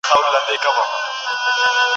سپوږمۍ مو لاري څاري پیغامونه تښتوي